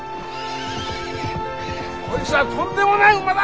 こいつはとんでもない馬だ。